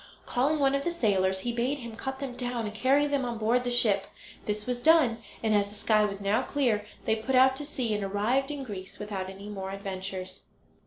Calling one of the sailors, he bade him cut them down, and carry them on board the ship. This was done, and as the sky was now clear they put out to sea, and arrived in Greece without any more adventures.